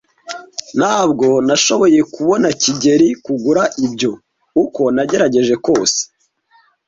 Ntabwo nashoboye kubona kigeli kugura ibyo, uko nagerageje kose.